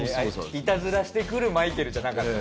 いたずらしてくるマイケルじゃなかった。